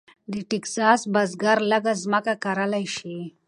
د ټیکساس بزګر لږه ځمکه کرلی شي.